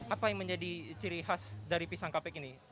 apa yang menjadi ciri khas dari pisang kapek ini